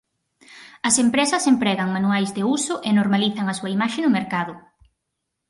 As empresas empregan manuais de uso e normalizan a súa imaxe no mercado.